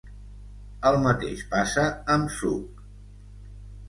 El mateix passa amb Zug.